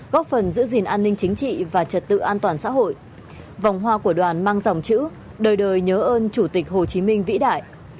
góp phần giữ gìn an ninh chính trị và trật tự an toàn xã hội vòng hoa của đoàn mang dòng chữ đời đời nhớ ơn chủ tịch hồ chí minh vĩ đại